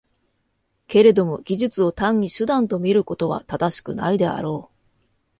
けれども技術を単に手段と見ることは正しくないであろう。